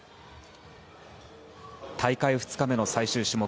大会２日目、最終種目。